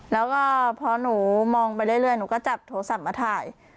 แล้วก็พอหนูมองไปเรื่อยหนูก็จับโทรศัพท์มาถ่าย